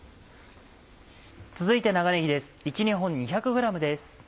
続いて長ねぎです。